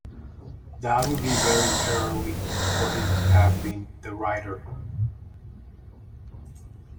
That would be very early for him to have been the writer.